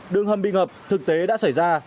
đường hầm bị ngập thực tế đã xảy ra